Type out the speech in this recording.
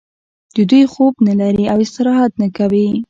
دوی خوب نلري او استراحت نه کوي